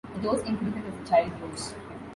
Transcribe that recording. The dose increases as the child grows.